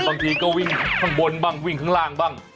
บางทีก็วิ่งข้างบนบ้างวิ่งข้างล่างบ้าง